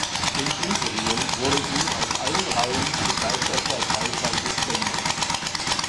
Im Übrigen wurde Ihnen aus allen Reihen begeisterter Beifall gespendet.